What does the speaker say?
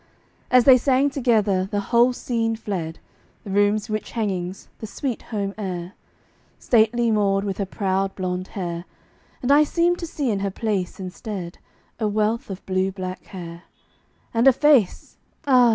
As they sang together, the whole scene fled, The room's rich hangings, the sweet home air, Stately Maud, with her proud blond head, And I seemed to see in her place instead A wealth of blue black hair, And a face, ah!